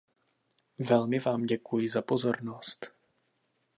Velmi vám děkuji za pozornost.